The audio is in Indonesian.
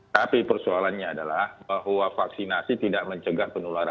tapi persoalannya adalah bahwa vaksinasi tidak mencegah penularan